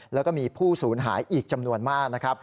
แล้วก็มีผู้ศูนย์หายอีกจำนวนมาก